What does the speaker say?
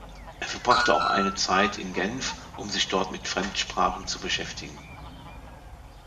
Er verbrachte auch eine Zeit in Genf, um sich dort mit Fremdsprachen zu beschäftigen.